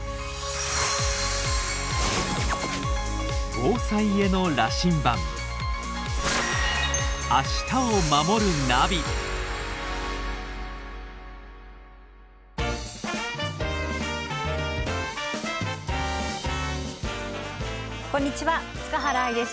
防災への羅針盤こんにちは塚原愛です。